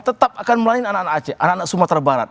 tetap akan melayani anak anak aceh anak anak sumatera barat